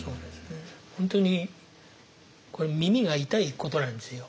本当にこれ耳が痛いことなんですよ。